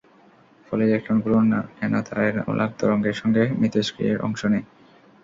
ফলে ইলেকট্রনগুলো ন্যানোতারের আলোক তরঙ্গের সঙ্গে মিথস্ক্রিয়ায় অংশ নেয়।